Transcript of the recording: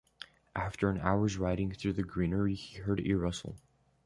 After an hour's riding through the greenery, he heard a rustle.